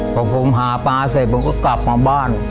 พอผมหาปลาเสร็จผมก็กลับมาบ้าน